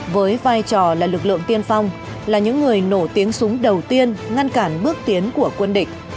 với vai trò là lực lượng tiên phong là những người nổi tiếng súng đầu tiên ngăn cản bước tiến của quân địch